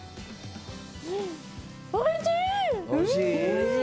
おいしい！